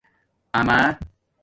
آمݳ